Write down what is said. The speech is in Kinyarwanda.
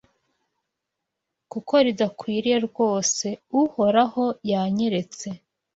kuko ridakwiriye rwose. Uhoraho yanyeretse